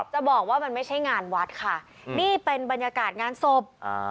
จะบอกว่ามันไม่ใช่งานวัดค่ะนี่เป็นบรรยากาศงานศพอ่า